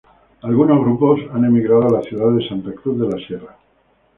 Algunos grupos han emigrado a la ciudad de Santa Cruz de la Sierra.